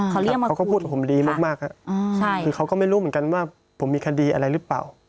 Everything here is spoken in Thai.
เขาเรียกมาคุยเขาก็พูดผมดีมากคือเขาก็ไม่รู้เหมือนกันว่าผมมีคดีอะไรรึเปล่า